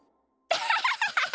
アハハハハハ！